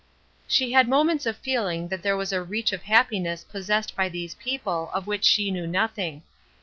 She had moments of feeling that there was a reach of happiness possessed by these people of which she knew nothing.